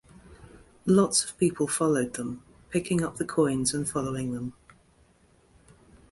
Lots of people followed them, picking up the coins and following them.